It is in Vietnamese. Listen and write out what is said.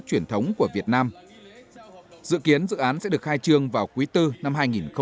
truyền thống của việt nam dự kiến dự án sẽ được khai trương vào quý bốn năm hai nghìn hai mươi